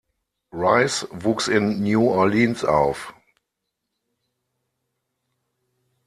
Rice wuchs in New Orleans auf.